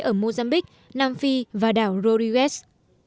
ở mozambique nam phi và đảo rory west